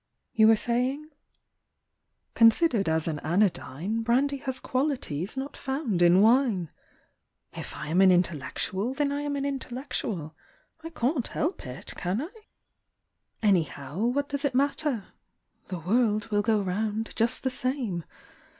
You were saying? —" considered as an anodyne, Brandy has qualities not found in wine. — If I am an intellectual, then I am an intellectual. I can't help it, can I ? 85 Cafe Confidences. Anyhow, what does it matter ? The world will go round just the same.